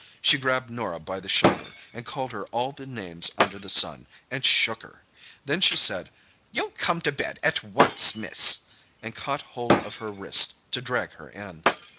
She grabbed Norah by the shoulder, and called her all the names under the sun, and shook her. Then she said, 'You'll come to bed at once, miss!' and caught hold of her wrist to drag her in.